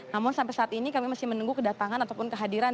namun sampai saat ini kami masih menunggu kedatangan ataupun kehadiran